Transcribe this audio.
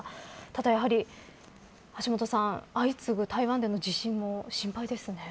ただ、橋下さん、相次ぐ台湾での地震も心配ですね。